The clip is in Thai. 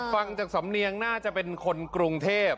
ฟังจากสำเนียงน่าจะเป็นคนกรุงเทพ